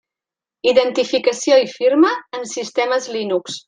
Identificació i firma en sistemes Linux.